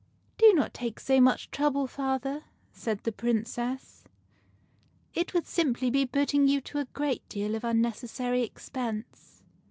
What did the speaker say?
" Do not take so much trouble, father," said the Princess. "It would simply be putting you to a great deal of unnecessary expense.